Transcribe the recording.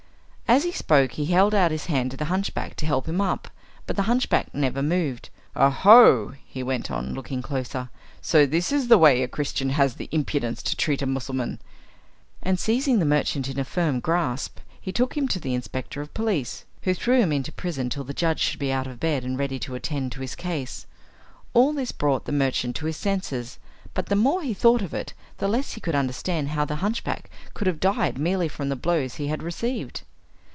As he spoke he held out his hand to the hunchback to help him up, but the hunchback never moved. "Oho!" he went on, looking closer, "so this is the way a Christian has the impudence to treat a Mussulman!" and seizing the merchant in a firm grasp he took him to the inspector of police, who threw him into prison till the judge should be out of bed and ready to attend to his case. All this brought the merchant to his senses, but the more he thought of it the less he could understand how the hunchback could have died merely from the blows he had received.